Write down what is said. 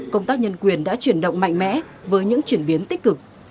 công tác nhân quyền đã chuyển động mạnh mẽ với những chuyển biến tích cực